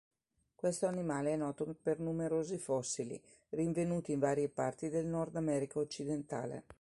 Questo animale è noto per numerosi fossili, rinvenuti in varie parti del Nordamerica occidentale.